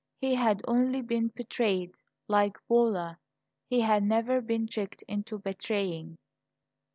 He had only been betrayed, like Bolla; He had never been tricked into betraying.